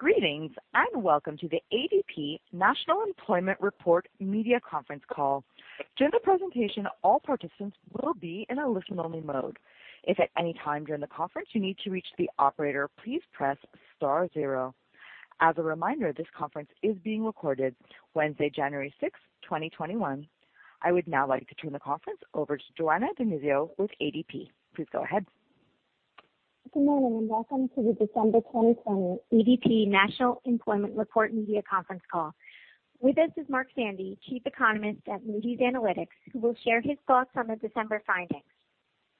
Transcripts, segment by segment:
Greetings, and welcome to the ADP National Employment Report Media Conference Call. As a reminder, this conference is being recorded Wednesday, January 6th, 2021. I would now like to turn the conference over to Joanna DiNizio with ADP. Please go ahead. Good morning, and welcome to the December 2020 ADP National Employment Report Media Conference Call. With us is Mark Zandi, Chief Economist at Moody's Analytics, who will share his thoughts on the December findings.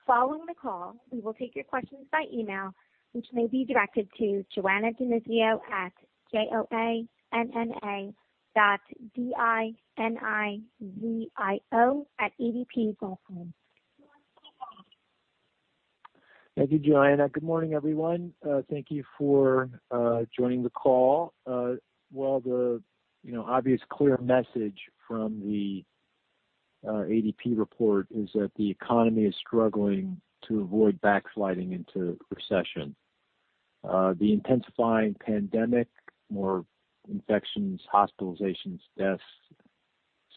Following the call, we will take your questions by email, which may be directed to Joanna DiNizio at J-O-A-N-N-A dot D-I-N-I-Z-I-O @adp.com. Thank you, Joanna. Good morning, everyone. Thank you for joining the call. The obvious clear message from the ADP report is that the economy is struggling to avoid backsliding into recession. The intensifying pandemic, more infections, hospitalizations, deaths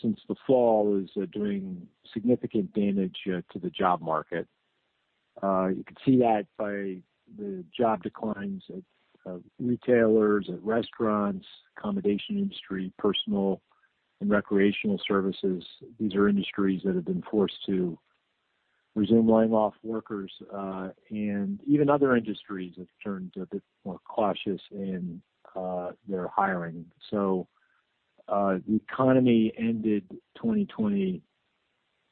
since the fall is doing significant damage to the job market. You can see that by the job declines of retailers and restaurants, accommodation industry, personal and recreational services. These are industries that have been forced to resume laying off workers. Even other industries have turned a bit more cautious in their hiring. The economy ended 2020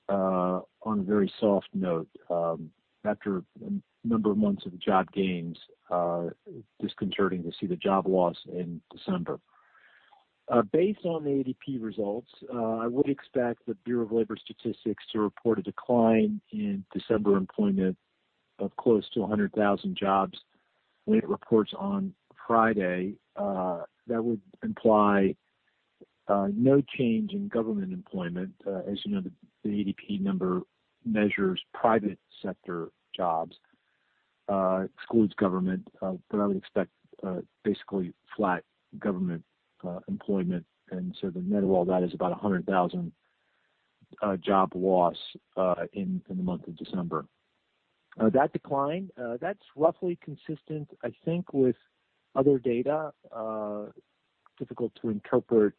on a very soft note. After a number of months of job gains, disconcerting to see the job loss in December. Based on the ADP results, I would expect the Bureau of Labor Statistics to report a decline in December employment of close to 100,000 jobs when it reports on Friday. That would imply no change in government employment. As you know, the ADP number measures private sector jobs, excludes government. I would expect basically flat government employment. The net of all that is about 100,000 job loss in the month of December. That decline, that's roughly consistent, I think, with other data. Difficult to interpret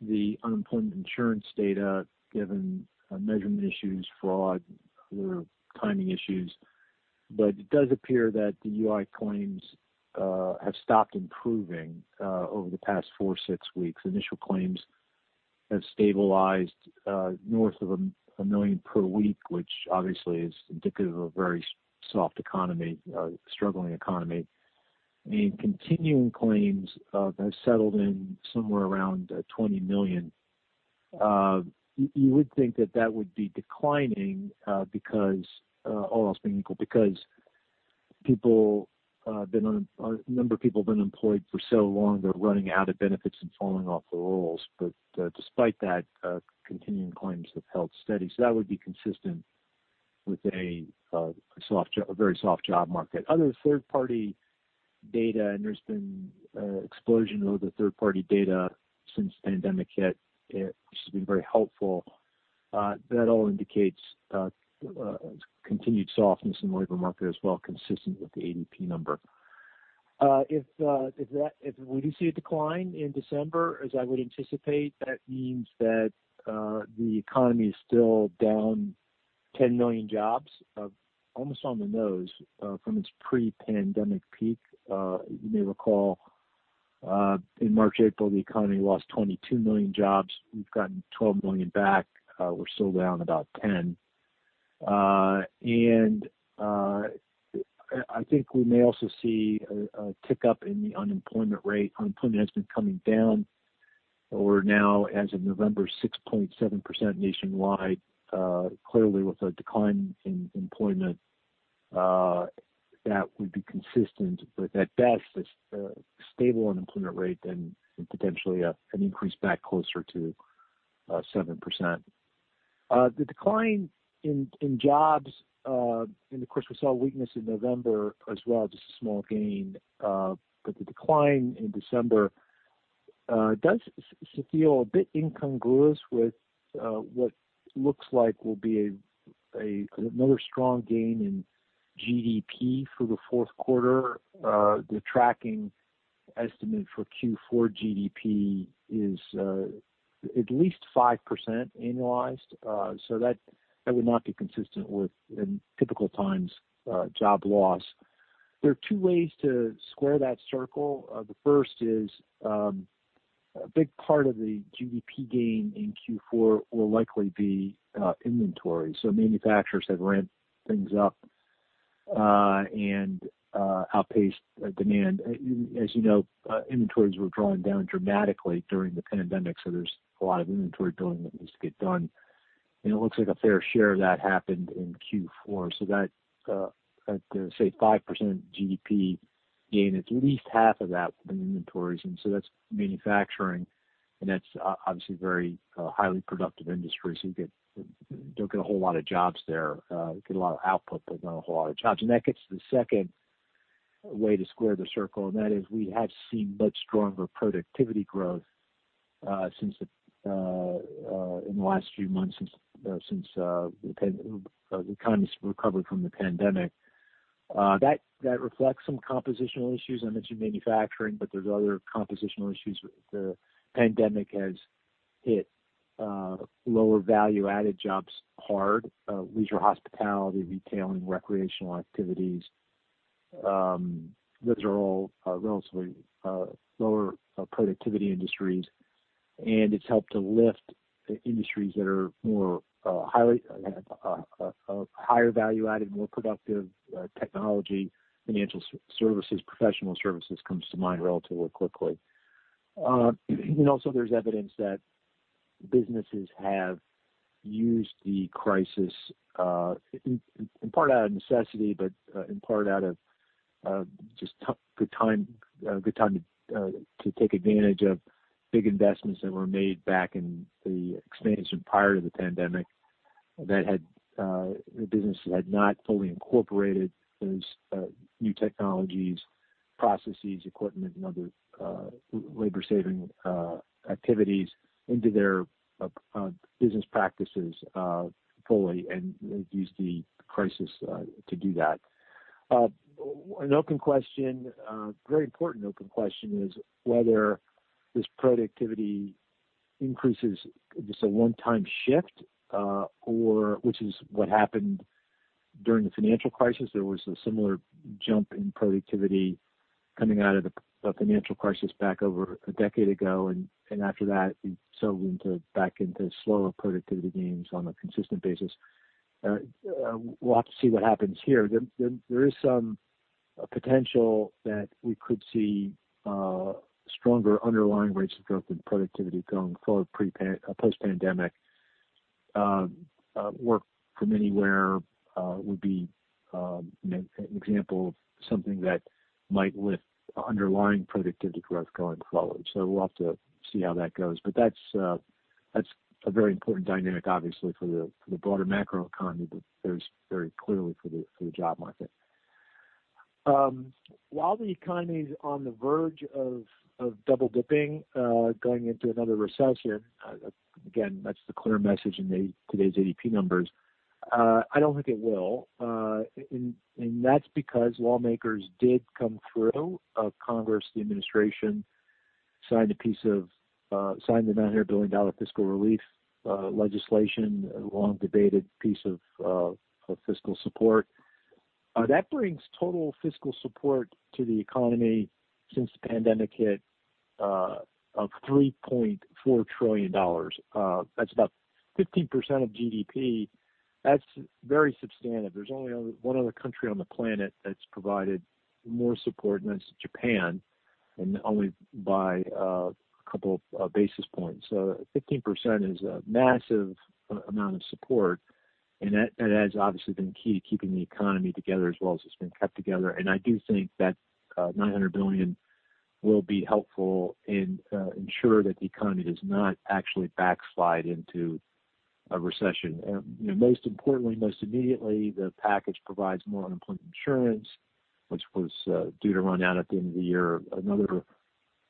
the unemployment insurance data given measurement issues, fraud, other timing issues. It does appear that the UI claims have stopped improving over the past four, six weeks. Initial claims have stabilized north of a million per week, which obviously is indicative of a very soft economy, a struggling economy. Continuing claims have settled in somewhere around 20 million. You would think that that would be declining because, all else being equal, because a number of people have been unemployed for so long, they're running out of benefits and falling off the rolls. Despite that, continuing claims have held steady. That would be consistent with a very soft job market. Other third-party data, and there's been an explosion of other third-party data since the pandemic hit, which has been very helpful. That all indicates continued softness in the labor market as well, consistent with the ADP number. If we do see a decline in December, as I would anticipate, that means that the economy is still down 10 million jobs, almost on the nose from its pre-pandemic peak. You may recall in March, April, the economy lost 22 million jobs. We've gotten 12 million back. We're still down about 10. I think we may also see a tick up in the unemployment rate. Unemployment has been coming down. We're now, as of November, 6.7% nationwide. Clearly, with a decline in employment, that would be consistent with at best a stable unemployment rate and potentially an increase back closer to 7%. The decline in jobs, and of course, we saw weakness in November as well, just a small gain. The decline in December does feel a bit incongruous with what looks like will be another strong gain in GDP for the fourth quarter. The tracking estimate for Q4 GDP is at least 5% annualized. That would not be consistent with, in typical times, job loss. There are two ways to square that circle. The first is a big part of the GDP gain in Q4 will likely be inventory. Manufacturers have ramped things up and outpaced demand. As you know, inventories were drawn down dramatically during the pandemic. There's a lot of inventory building that needs to get done. It looks like a fair share of that happened in Q4. That, say 5% GDP gain, at least half of that is in inventories. That's manufacturing. That's obviously very highly productive industries. You don't get a whole lot of jobs there. You get a lot of output, not a whole lot of jobs. That gets to the second way to square the circle. That is we have seen much stronger productivity growth in the last few months since the economy's recovered from the pandemic. That reflects some compositional issues. I mentioned manufacturing, there's other compositional issues. The pandemic has hit lower value-added jobs hard: leisure, hospitality, retail, and recreational activities. Those are all relatively lower-productivity industries, and it's helped to lift the industries that are more of higher value-added, more productive technology, financial services, professional services comes to mind relatively quickly. Also, there's evidence that businesses have used the crisis, in part out of necessity, but in part out of just good timing to take advantage of big investments that were made back in the expansion prior to the pandemic that businesses had not fully incorporated those new technologies, processes, equipment, and other labor-saving activities into their business practices fully, and they've used the crisis to do that. An open question, very important open question, is whether this productivity increase is just a one-time shift, which is what happened during the financial crisis. There was a similar jump in productivity coming out of the financial crisis back over a decade ago. After that, we settled back into slower productivity gains on a consistent basis. We'll have to see what happens here. There is some potential that we could see stronger underlying rates of growth and productivity going forward post-pandemic. Work from anywhere would be an example of something that might lift underlying productivity growth going forward. We'll have to see how that goes. That's a very important dynamic, obviously, for the broader macro economy, but very clearly for the job market. While the economy's on the verge of double-dipping, going into another recession, again, that's the clear message in today's ADP numbers, I don't think it will. That's because lawmakers did come through. Congress, the administration, signed the $900 billion fiscal relief legislation, a long-debated piece of fiscal support. That brings total fiscal support to the economy since the pandemic hit of $3.4 trillion. That's about 15% of GDP. That's very substantive. There's only one other country on the planet that's provided more support, and that's Japan, and only by a couple of basis points. 15% is a massive amount of support, and that has obviously been key to keeping the economy together as well as it's been kept together. I do think that $900 billion will be helpful and ensure that the economy does not actually backslide into a recession. Most importantly, most immediately, the package provides more unemployment insurance, which was due to run out at the end of the year. Another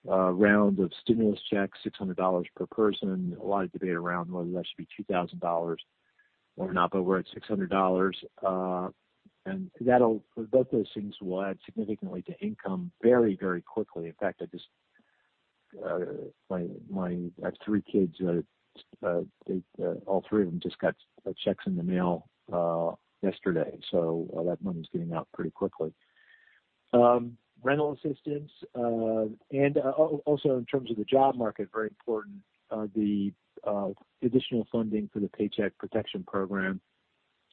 round of stimulus checks, $600 per person. A lot of debate around whether that should be $2,000 or not, but we're at $600. Both those things will add significantly to income very quickly. In fact, I have three kids, all three of them just got checks in the mail yesterday. That money's getting out pretty quickly. Rental assistance, and also in terms of the job market, very important, the additional funding for the Paycheck Protection Program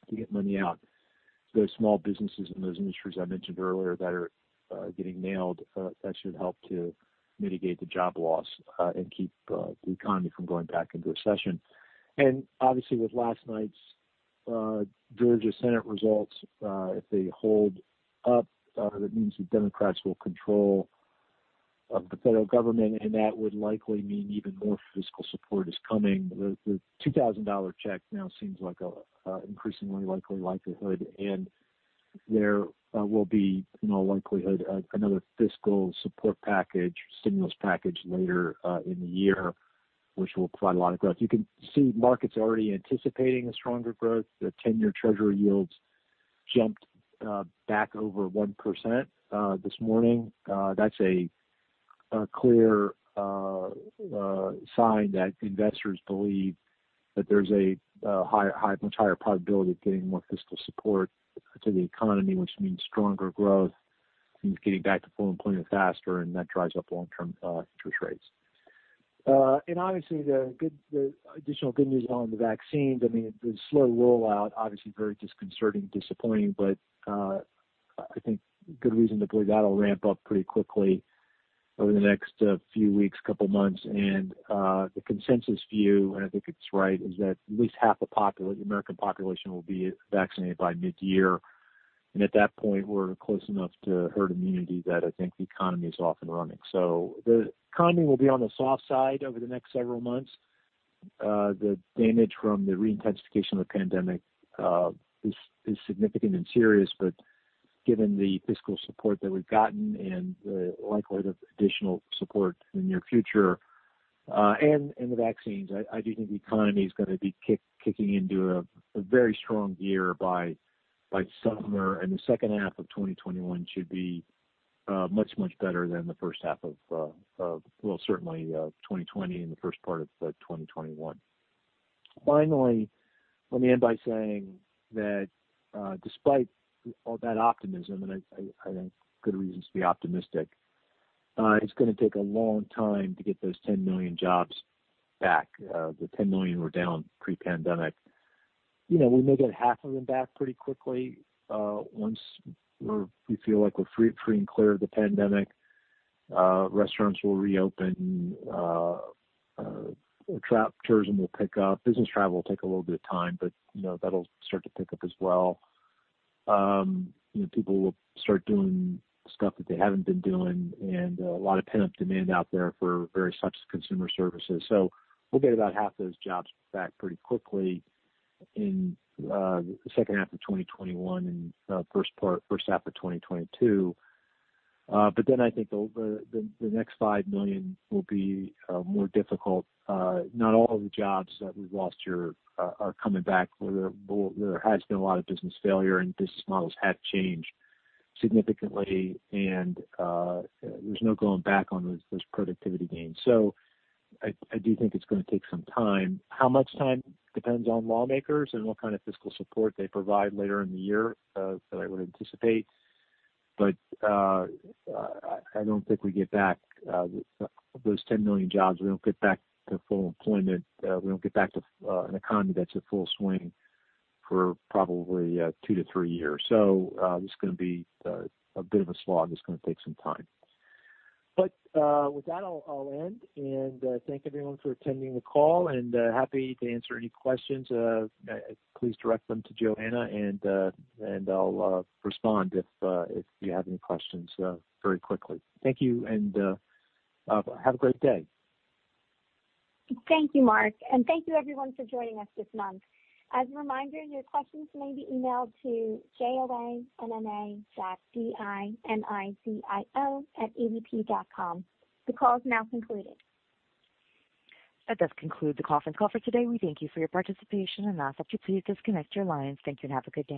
to get money out to those small businesses in those industries I mentioned earlier that are getting nailed. That should help to mitigate the job loss and keep the economy from going back into a recession. Obviously, with last night's Georgia Senate results, if they hold up, that means the Democrats will control the federal government, and that would likely mean even more fiscal support is coming. The $2,000 check now seems like an increasingly likely likelihood. There will be, in all likelihood, another fiscal support package, stimulus package later in the year, which will provide a lot of growth. You can see markets already anticipating a stronger growth. The 10-year Treasury yields jumped back over 1% this morning. That's a clear sign that investors believe that there's a much higher probability of getting more fiscal support to the economy, which means stronger growth, means getting back to full employment faster, and that drives up long-term interest rates. Obviously, the additional good news on the vaccines, I mean, the slow rollout, obviously very disconcerting, disappointing, but I think good reason to believe that'll ramp up pretty quickly over the next few weeks, couple of months. The consensus view, and I think it's right, is that at least half the American population will be vaccinated by mid-year. At that point, we're close enough to herd immunity that I think the economy is off and running. The economy will be on the soft side over the next several months. The damage from the re-intensification of the pandemic is significant and serious but given the fiscal support that we've gotten and the likelihood of additional support in the near future, and the vaccines, I do think the economy is going to be kicking into a very strong gear by summer. The second half of 2021 should be much better than the first half of, well, certainly, 2020 and the first part of 2021. Finally, let me end by saying that despite all that optimism, and I think good reasons to be optimistic, it's going to take a long time to get those 10 million jobs back. The 10 million we're down pre-pandemic. We may get half of them back pretty quickly once we feel like we're free and clear of the pandemic. Restaurants will reopen. Tourism will pick up. Business travel will take a little bit of time, but that'll start to pick up as well. People will start doing stuff that they haven't been doing, and a lot of pent-up demand out there for various types of consumer services. We'll get about half those jobs back pretty quickly in the second half of 2021 and first half of 2022. I think the next 5 million will be more difficult. Not all of the jobs that we've lost here are coming back. There has been a lot of business failure, and business models have changed significantly. There's no going back on those productivity gains. I do think it's going to take some time. How much time? Depends on lawmakers and what kind of fiscal support they provide later in the year, that I would anticipate. I don't think we get back those 10 million jobs. We don't get back to full employment. We don't get back to an economy that's at full swing for probably two-three years. This is going to be a bit of a slog. It's going to take some time. With that, I'll end and thank everyone for attending the call, and happy to answer any questions. Please direct them to Joanna, and I'll respond if you have any questions very quickly. Thank you, and have a great day. Thank you, Mark. Thank you everyone for joining us this month. As a reminder, your questions may be emailed to joanna.dinizio@adp.com. The call is now concluded. That does conclude the conference call for today. We thank you for your participation and ask that you please disconnect your lines. Thank you and have a good day.